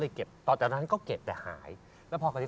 แต่เขาตัดได้มั้ยอันนี้อย่างนี้อย่างนี้อย่างนี้